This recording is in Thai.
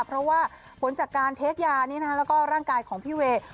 เพราะว่าผลจากการเทคยานี้แล้วก็ร่างกายของพี่เวย์